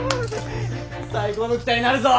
最高の機体になるぞ！